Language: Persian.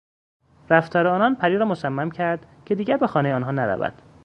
رفتار آنان پری را مصمم کرد که دیگر به خانهی آنها نرود.